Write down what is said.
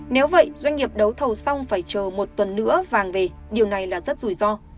nếu vậy doanh nghiệp đấu thầu xong phải chờ một tuần nữa vàng về điều này là rất rủi ro